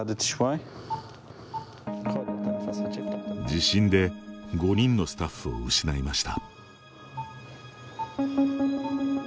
地震で５人のスタッフを失いました。